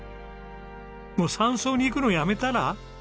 もう山荘に行くのやめたら？